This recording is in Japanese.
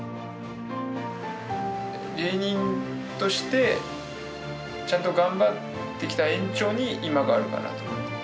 芸人としてちゃんと頑張ってきた延長に、今があるかなと思ってて。